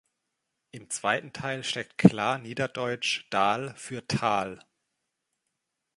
Im zweiten Teil steckt klar niederdeutsch dal für „Tal“.